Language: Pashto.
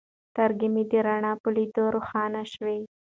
سترګې مې د رڼا په لیدلو روښانه شوې.